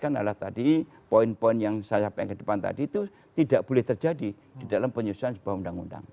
yang adalah tadi poin poin yang saya sampaikan ke depan tadi itu tidak boleh terjadi di dalam penyusunan sebuah undang undang